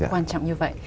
quan trọng như vậy